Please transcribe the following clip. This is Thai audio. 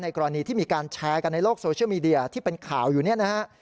กรณีที่มีการแชร์กันในโลกโซเชียลมีเดียที่เป็นข่าวอยู่เนี่ยนะฮะ